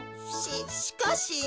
ししかし。